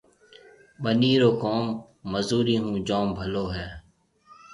ٻنِي رو ڪوم مزُورِي هون جوم ڀلو هيَ۔